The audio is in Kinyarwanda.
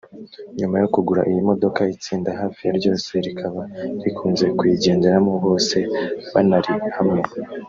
nyuma yo kugura iyi modoka itsinda hafi ya ryose rikaba rikunze kuyigenderamo bose banari hamwe